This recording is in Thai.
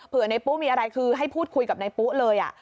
เผื่อนายปุ๊กมีอะไรคือให้พูดคุยกับนายปุ๊กเลย